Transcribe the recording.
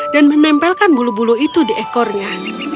dan menempelkan bulu bulu itu di ekornya